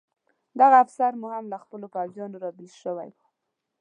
دغه افسر هم له خپلو پوځیانو را بېل شوی و.